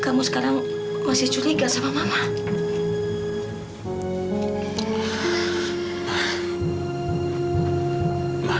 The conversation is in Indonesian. kamu sekarang masih curiga sama mama